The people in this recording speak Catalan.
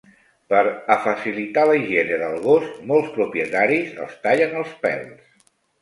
Per a facilitar la higiene del gos, molts propietaris els tallen els pèls.